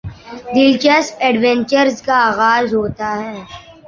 دلچسپ ایڈونچر کا آغاز ہوتا ہے